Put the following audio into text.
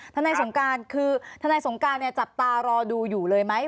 ทนายสงการคือทนายสงการจับตารอดูอยู่เลยไหม